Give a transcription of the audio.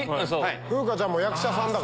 風花ちゃんも役者さんだ。